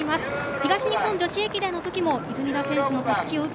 東日本女子駅伝の時も出水田選手のたすきを受け